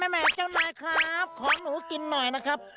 แม่เจ้านายครับขอหนูกินหน่อยนะครับ